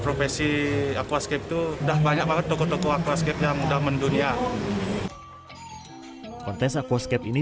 profesi akuascape tuh udah banyak banget tokoh tokoh akuascape yang udah mendunia kontes akuascape ini